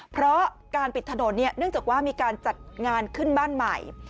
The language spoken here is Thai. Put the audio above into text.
เพราะการปิดถนนเนื่องจากว่ามีการจัดงานขึ้นบ้านใหม่